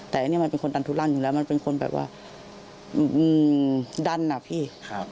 แต่อันนี้มันเป็นคนดันทุลันอยู่แล้วมันเป็นคนแบบว่าดันอะพี่